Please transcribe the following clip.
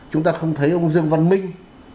chúng ta không thấy ông dương văn minh